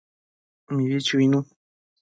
Mibi chuinu